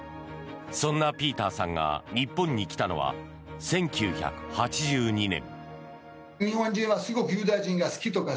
そんなピーターさんが日本に来たのは１９８２年。